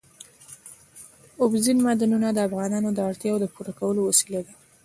اوبزین معدنونه د افغانانو د اړتیاوو د پوره کولو وسیله ده.